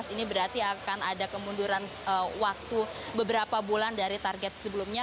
ini berarti akan ada kemunduran waktu beberapa bulan dari target sebelumnya